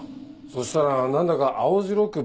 そしたら何だか青白く